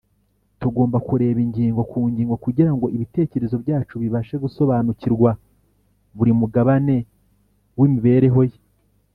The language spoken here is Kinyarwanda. Tugomba kureba ingingo ku ngingo, kugira ngo ibitekerezo byacu bibashe gusobanukirwa buri mugabane w’imibereho ye